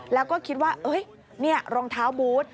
แล้วก็คิดว่ารองเท้าบู๊ต